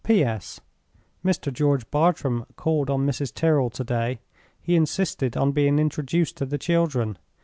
"P.S.—Mr. George Bartram called on Mrs. Tyrrel to day. He insisted on being introduced to the children.